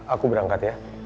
aku berangkat ya